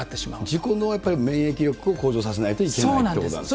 自己の免疫力を向上させないといけないということなんですね。